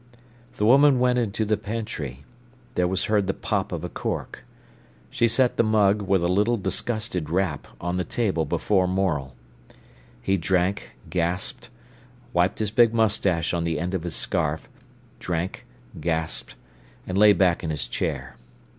The woman went into the pantry. There was heard the pop of a cork. She set the mug, with a little, disgusted rap, on the table before Morel. He drank, gasped, wiped his big moustache on the end of his scarf, drank, gasped, and lay back in his chair.